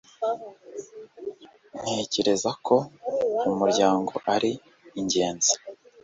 ntekereza ko umuryango ari ingenzi